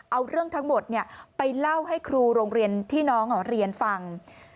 เอาเรื่องทั้งหมดไปเล่าให้ครูโรงเรียนที่น้องเรียนฟัง